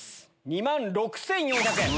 ２万６４００円。